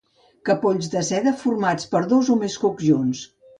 Capolls de seda formats per dos o més cucs junts.